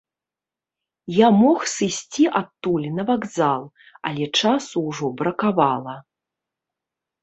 Я мог сысці адтуль на вакзал, але часу ўжо бракавала.